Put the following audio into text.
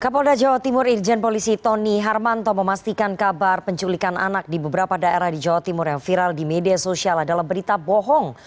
kapolda jawa timur irjen polisi tony harmanto memastikan kabar penculikan anak di beberapa daerah di jawa timur yang viral di media sosial adalah berita bohong